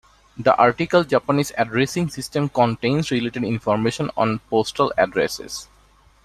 The article Japanese addressing system contains related information on postal addresses.